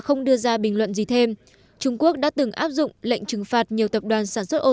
không đưa ra bình luận gì thêm trung quốc đã từng áp dụng lệnh trừng phạt nhiều tập đoàn sản xuất ô